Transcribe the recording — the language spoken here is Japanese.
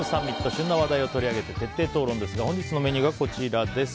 旬の話題を徹底討論ですが本日のメニューがこちらです。